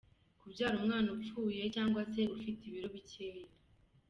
Kubyara umwana upfuye cyangwa se ufite ibiro bikeya.